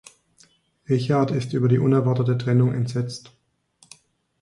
Richard ist über die unerwartete Trennung entsetzt.